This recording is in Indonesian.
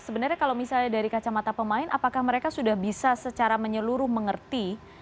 sebenarnya kalau misalnya dari kacamata pemain apakah mereka sudah bisa secara menyeluruh mengerti